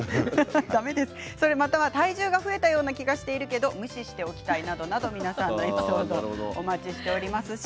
または体重が増えたような気がしているけど無視しておきたいなどなど皆さんのエピソードお待ちしております。